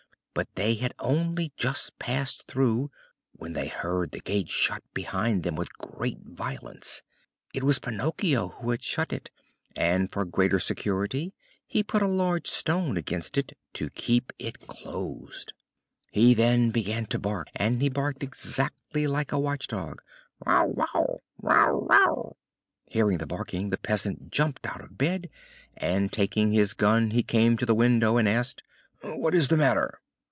But they had only just passed through when they heard the gate shut behind them with great violence. It was Pinocchio who had shut it, and for greater security he put a large stone against it to keep it closed. He then began to bark, and he barked exactly like a watch dog: "Bow wow, bow wow." Hearing the barking, the peasant jumped out of bed and, taking his gun, he came to the window and asked: "What is the matter?"